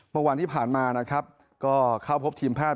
เมื่อวานที่ผ่านมาก็เขาพบทีมภาค